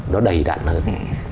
nó đầy đặn hơn